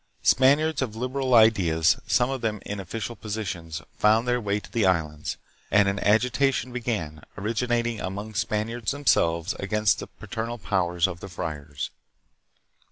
Span ] iards of liberal ideas, some of them in official positions,! found their way to the Islands, and an agitation began, originating among Spaniards themselves, against the pater nal powers of the friars.